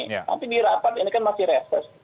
nanti dirapat ini kan masih reses